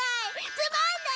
つまんない！